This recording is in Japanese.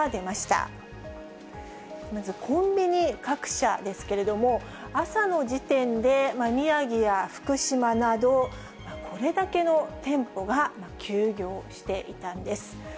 まずコンビニ各社ですけれども、朝の時点で宮城や福島など、これだけの店舗が休業していたんです。